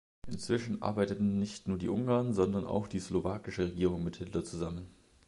Inzwischen arbeiteten nicht nur die Ungarn, sondern auch die slowakische Regierung mit Hitler zusammen.